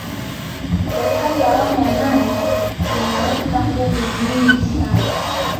Serikali ya awamu ya nane inaweka nguvu nyingi sana